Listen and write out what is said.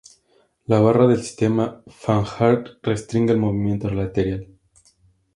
La barra del sistema Panhard restringe el movimiento lateral.